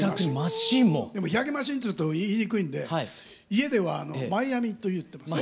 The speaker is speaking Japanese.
でも日焼けマシーンっていうと言いにくいんで家ではマイアミと言ってます。